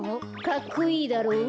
かっこいいだろう？